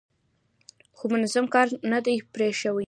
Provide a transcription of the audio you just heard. خو منظم کار نه دی پرې شوی.